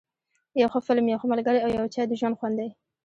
یو ښه فلم، یو ښه ملګری او یو چای ، د ژوند خوند دی.